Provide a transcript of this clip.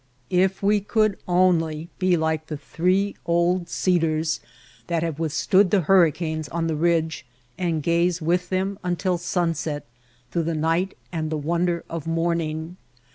If we could only be like the three old cedars The High White Peaks that have withstood the hurricanes on the ridge and gaze with them until sunset, through the night and the wonder of morning!